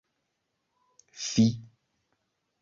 fi